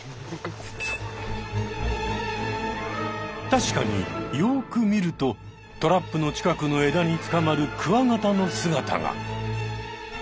確かによく見るとトラップの近くの枝につかまるクワガタの姿が！